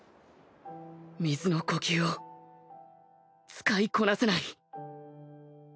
水の呼吸を使いこなせない